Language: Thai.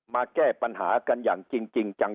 มาแก้ปัญหากันอย่างจริงจัง